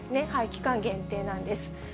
期間限定なんです。